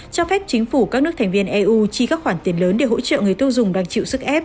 cho phép chính phủ các nước thành viên eu chi các khoản tiền lớn để hỗ trợ người tiêu dùng đang chịu sức ép